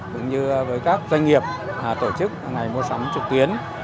cũng như với các doanh nghiệp tổ chức ngày mua sắm trực tuyến